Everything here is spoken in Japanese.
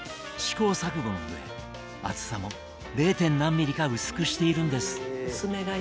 試行錯誤の上厚さも０．何ミリか薄くしているんです。